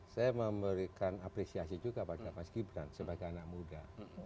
saya memberikan apresiasi juga pada mas gibran sebagai anak muda